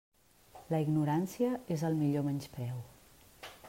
La ignorància és el millor menyspreu.